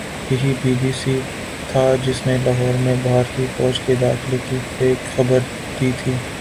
یہی B B C تھا جس نے لاہور میں بھارتی فوج کے داخلے کی فیک خبر دی تھی